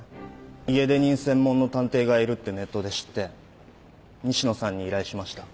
家出人専門の探偵がいるってネットで知って西野さんに依頼しました。